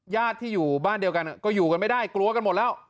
ญาติที่อยู่บ้านเดียวกันก็อยู่กันไม่ได้กลัวกันหมดแล้ว